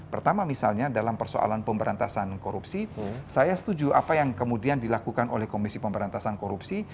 pertama misalnya dalam persoalan pemberantasan korupsi saya setuju apa yang kemudian dilakukan oleh komisi pemberantasan korupsi